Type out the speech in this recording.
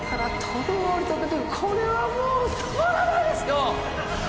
これはもうたまらないですよ！